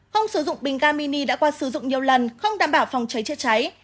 không sử dụng bình ga mini đã qua sử dụng nhiều lần không đảm bảo phòng cháy chữa cháy